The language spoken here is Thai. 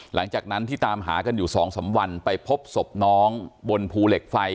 หลังจากนั้นที่ตามหากันอยู่๒๓วันไปพบศพน้องบนภูเหล็กไฟ